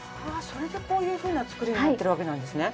それでこういうふうな作りになってるわけなんですね。